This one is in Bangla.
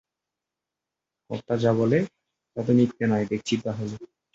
কর্তা যা বলে তা তো মিথ্যে নয় দেখছি তা হলে।